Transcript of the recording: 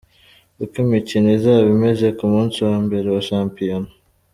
Uko imikino izaba imeze ku munsi wa mbere wa shampiyona.